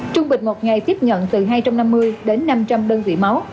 trung bình một ngày tiếp nhận từ hai trăm năm mươi đến năm trăm linh đơn vị máu